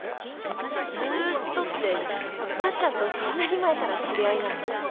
ずっとってタッちゃんとそんなに前から知り合いなの？